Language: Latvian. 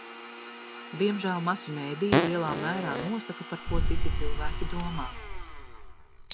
Diemžēl masu mediji lielā mērā nosaka, par ko citi cilvēki domā.